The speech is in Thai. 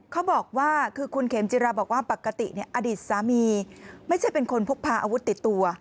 เขาบอกว่าคือคุณเขมจิราบอกว่าปกติอดีตสามีไม่ใช่เป็นคนพกพาอาวุธติดตัว